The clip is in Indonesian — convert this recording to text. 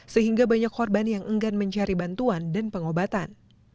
sehingga banyak korban yang enggan mencari bantuan dan pengobatan